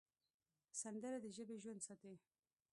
سندره د ژبې ژوند ساتي